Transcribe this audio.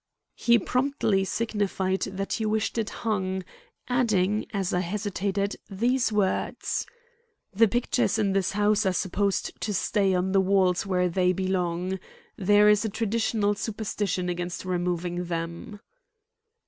He promptly signified that he wished it hung, adding as I hesitated these words: "The pictures in this house are supposed to stay on the walls where they belong. There is a traditional superstition against removing them."